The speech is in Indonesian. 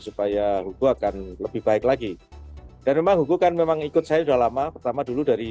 supaya hukum akan lebih baik lagi dan memang hukum kan memang ikut saya udah lama pertama dulu dari